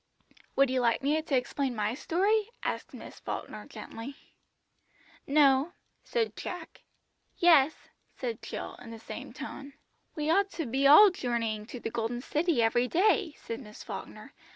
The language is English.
"Would you like me to explain my story?" asked Miss Falkner gently. "No," said Jack promptly. "Yes," said Jill, in the same tone. "We ought to be all journeying to the Golden City every day," said Miss Falkner.